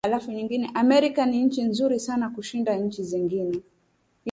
Amerika ni nchi nzuri sana kushinda nchi zingine